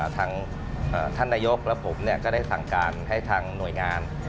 ทางท่านนายกและผมก็ได้สั่งการให้ทางหน่วยงาน